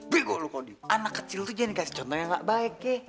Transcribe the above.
bego lo kody anak kecil tuh jangan dikasih contoh yang nggak baik kek